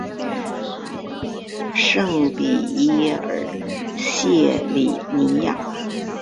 圣皮耶尔谢里尼亚。